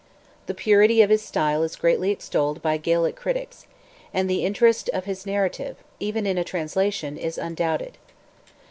The purity of his style is greatly extolled by Gaelic critics; and the interest of his narrative, even in a translation, is undoubted.